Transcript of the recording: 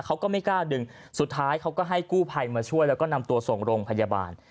เขาก็ไม่กล้าดึงสุดท้ายเขาก็ให้กู้ภัยมาช่วยแล้วก็นำตัวส่งโรงพยาบาล